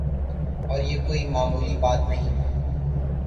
اور یہ کوئی معمولی بات نہیں۔